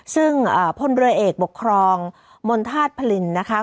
ซึ่งพลเรือเอกปกครองมณฑาตุพลินนะคะ